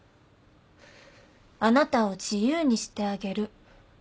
「あなたを自由にしてあげる」